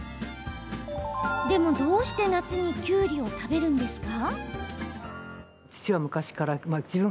でも、どうして夏にきゅうりを食べるんですか？